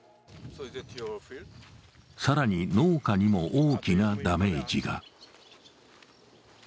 更に農家にも大きなダメージが。